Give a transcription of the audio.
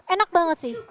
enak banget sih